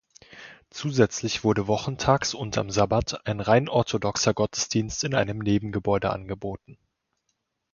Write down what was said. Zusätzlich wurde wochentags und am Sabbat ein rein orthodoxer Gottesdienst in einem Nebengebäude angeboten.